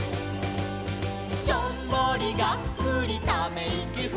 「しょんぼりがっくりためいきフ」